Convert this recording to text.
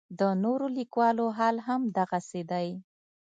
د نورو لیکوالو حال هم دغسې دی.